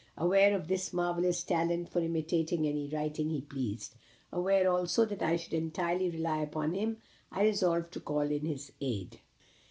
"Aware of his marvellous talent for imitating any writing he pleased aware, also, that I could entirely rely upon him, I resolved to call in his aid."